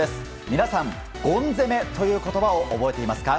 皆さん、ゴン攻めという言葉を覚えていますか？